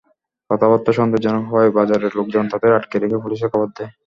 কথাবার্তা সন্দেহজনক হওয়ায় বাজারের লোকজন তাঁদের আটকে রেখে পুলিশে খবর দেয়।